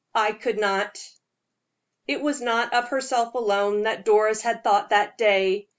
I could not." It was not of herself alone that Doris had thought that day.